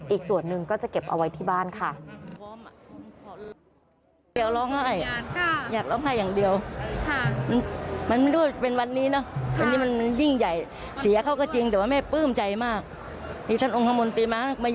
อีกส่วนหนึ่งก็จะเก็บเอาไว้ที่บ้านค่ะ